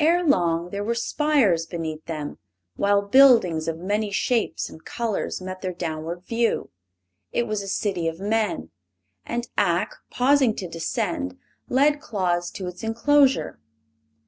Ere long there were spires beneath them, while buildings of many shapes and colors met their downward view. It was a city of men, and Ak, pausing to descend, led Claus to its inclosure.